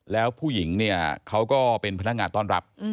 แล้วผู้หญิงเนี่ยเขาก็เป็นพนักงานต้อนรับ